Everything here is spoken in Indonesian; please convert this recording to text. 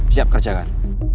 siap kerja kan